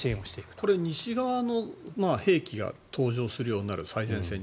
これ、西側の兵器が登場するようになる、最前線で。